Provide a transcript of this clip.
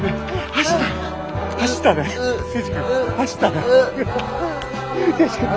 走ったな。